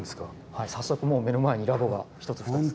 はい早速もう目の前にラボが１つ２つと。